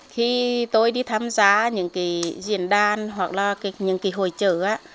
khi tôi đi tham gia những diễn đàn hoặc là những hỗ trợ